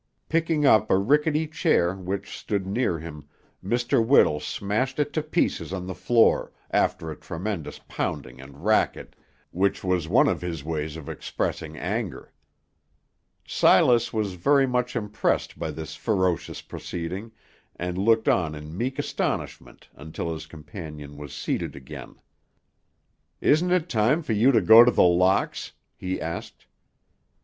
Picking up a rickety chair which stood near him, Mr. Whittle smashed it to pieces on the floor, after a tremendous pounding and racket, which was one of his ways of expressing anger. Silas was very much impressed by this ferocious proceeding, and looked on in meek astonishment until his companion was seated again. "Isn't it time for you to go to The Locks?" he asked.